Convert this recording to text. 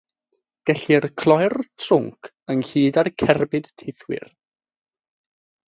Gellir cloi'r trwnc ynghyd â'r cerbyd teithwyr.